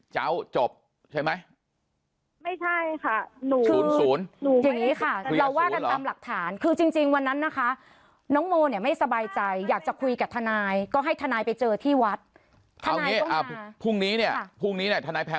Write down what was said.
เจ้าจบใช่ไหมไม่ใช่ค่ะหนูศูนย์ศูนย์